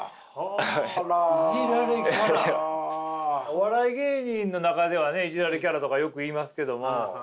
お笑い芸人の中ではイジられキャラとかよく言いますけども。